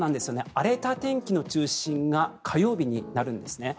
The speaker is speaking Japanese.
荒れた天気の中心が火曜日になるんですね。